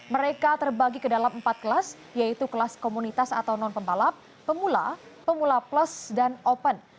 mereka terbagi ke dalam empat kelas yaitu kelas komunitas atau non pembalap pemula pemula plus dan open